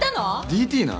ＤＴな。